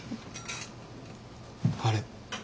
あれ？